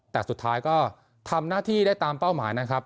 แต่สุดท้ายก็ทำหน้าที่ได้ตามเป้าหมายนะครับ